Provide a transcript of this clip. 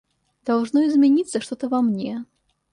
Должно измениться что-то во мне.